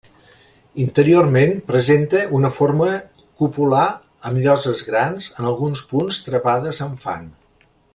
Interiorment presenta una forma copular, amb lloses grans, en alguns punts travades amb fang.